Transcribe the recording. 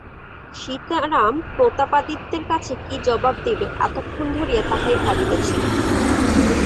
সীতারাম প্রতাপাদিত্যের কাছে কী জবাব দিবে, এতক্ষণ ধরিয়া তাহাই ভাবিতেছিল।